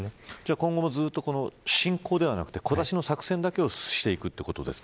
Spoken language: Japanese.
今後もずっと侵攻ではなくて小出しの作戦だけを進めていくということですか。